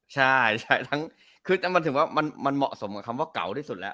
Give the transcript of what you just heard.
ใช่ทั้งคือมันถึงว่ามันเหมาะสมกับคำว่าเก่าที่สุดแล้ว